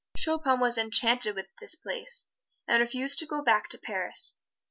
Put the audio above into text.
Chopin was enchanted with the place, and refused to go back to Paris.